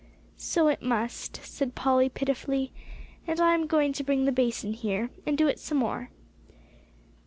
"So it must," said Polly pitifully, "and I'm going to bring the basin here, and do it some more."